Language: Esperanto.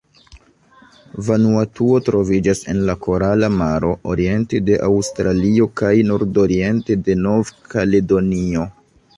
Vanuatuo troviĝas en la Korala Maro, oriente de Aŭstralio kaj nordoriente de Nov-Kaledonio.